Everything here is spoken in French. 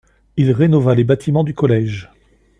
Il rénova les bâtiments du collège.